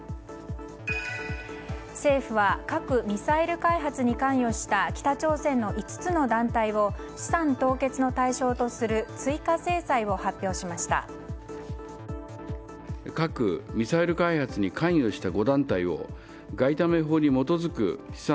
政府は核・ミサイル開発に関与した北朝鮮の５つの団体を資産凍結の対象とする追加制裁を発表しました。